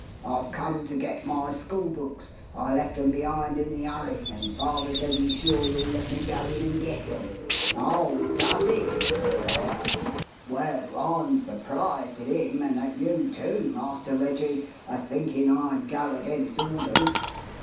'I've come to get my school books. I left 'em behind in the hurry, and father says he's sure you'll let me go in and get 'em.' 'Oh, does he?' says I. 'Well, I'm surprised at him and at you, too, Master Reggie, a thinking I'd go against orders.